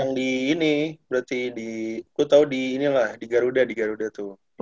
yang di ini berarti di ku tahu di inilah di garuda di garuda tuh